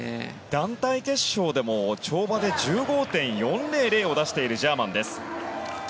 団体決勝でも跳馬で１５．４００を出しているジャーマンです。